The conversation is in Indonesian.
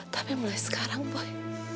tapi mulai sekarang boy